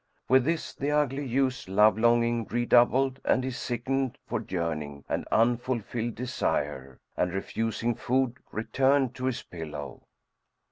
With this, the ugly youth's love longing redoubled and he sickened for yearning and unfulfilled desire; and refusing food returned to his pillow.